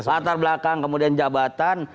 latar belakang kemudian jabatan